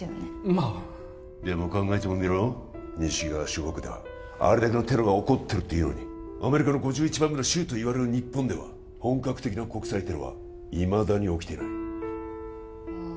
まあでも考えてもみろ西側諸国ではあれだけのテロが起こってるっていうのにアメリカの５１番目の州といわれる日本では本格的な国際テロはいまだに起きていないああ